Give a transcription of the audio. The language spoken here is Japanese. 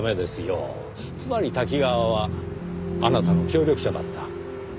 つまり瀧川はあなたの協力者だった。